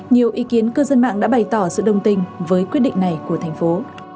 nhiều ý kiến cư dân mạng đã bày tỏ sự đồng tình với quyết định này của thành phố